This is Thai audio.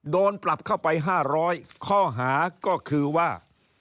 โดนปรับเข้าไป๕๐๐ข้อหาก็คือว่า